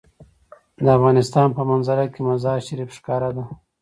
د افغانستان په منظره کې مزارشریف ښکاره ده.